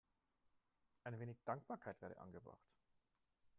Ein wenig Dankbarkeit wäre angebracht.